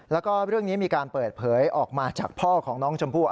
แล้วก็เรื่องนี้มีการเปิดเผยออกมาจากพ่อของน้องชมพู่